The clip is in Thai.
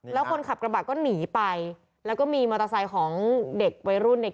แล้วคนขับกระบะก็หนีไปแล้วก็มีมอเตอร์ไซค์ของเด็กวัยรุ่นเนี่ย